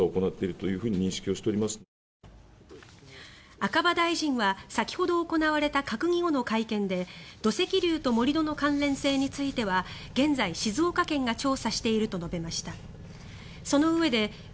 赤羽大臣は先ほど行われた閣議後の会見で土石流と盛り土の関連性については現在、静岡県が調査していると述べました。